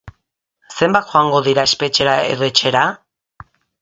Zenbat joango dira espetxera edo etxera?